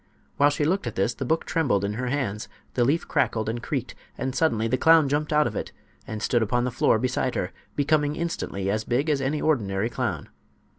While she looked at this the book trembled in her hands, the leaf crackled and creaked and suddenly the clown jumped out of it and stood upon the floor beside her, becoming instantly as big as any ordinary clown.